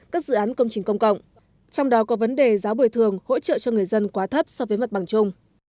các dự án công trình công cộng trong đó có vấn đề giáo bồi thường hỗ trợ cho người dân quá thấp so với mặt bằng chung